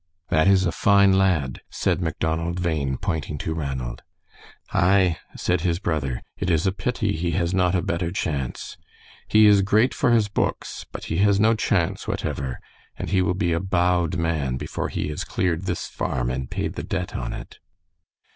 "That is a fine lad," said Macdonald Bhain, pointing to Ranald. "Aye," said his brother; "it is a pity he has not a better chance. He is great for his books, but he has no chance whatever, and he will be a bowed man before he has cleared this farm and paid the debt on it."